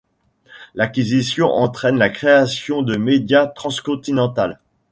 L'acquisition entraîne la création de Médias Transcontinental.